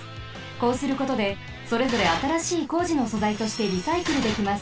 こうすることでそれぞれあたらしい工事のそざいとしてリサイクルできます。